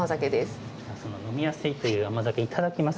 飲みやすいという甘酒をいただきます。